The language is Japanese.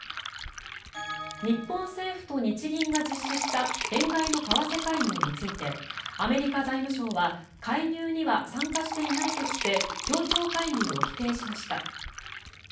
日本政府と日銀が実施した円買いの為替介入についてアメリカ財務省は介入には参加していないとして協調介入を否定しました。